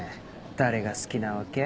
誰が好きなわけ？